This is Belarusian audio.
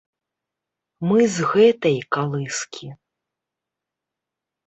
Мы з гэтай калыскі.